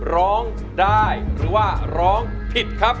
ร้องได้หรือว่าร้องผิดครับ